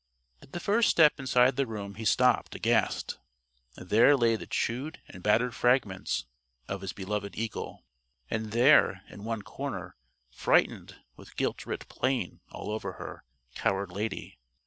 At the first step inside the room he stopped, aghast. There lay the chewed and battered fragments of his beloved eagle. And there, in one corner, frightened, with guilt writ plain all over her, cowered Lady.